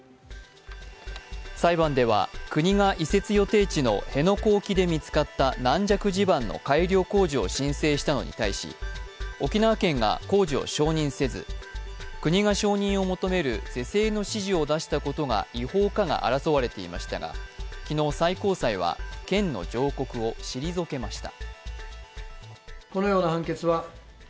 裁判では国が移設予定地の辺野古沖で見つかった軟弱地盤の改良工事を申請したのに対し、沖縄県が工事を承認せず、国が承認を求める是正の指示を出したことが違法かが争われていましたが、昨日最高裁は県の上告を退けました。